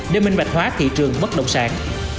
để minh bạch hóa thị trường mất động sản